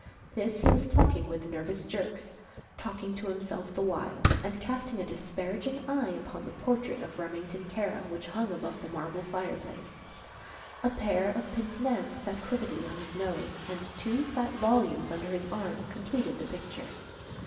This he was plucking with nervous jerks, talking to himself the while, and casting a disparaging eye upon the portrait of Remington Kara which hung above the marble fireplace. A pair of pince nez sat crookedly on his nose and two fat volumes under his arm completed the picture.